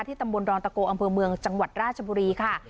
ตำบลดอนตะโกอำเภอเมืองจังหวัดราชบุรีค่ะ